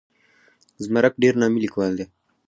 زمرک ډېر نامي لیکوال دی.